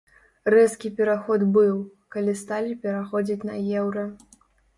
Рэзкі пераход быў, калі сталі пераходзіць на еўра.